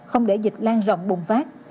không để dịch lan rộng bùng phát